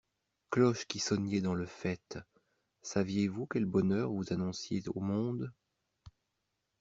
Cloches qui sonniez dans le faîte, saviez-vous quel bonheur vous annonciez au monde?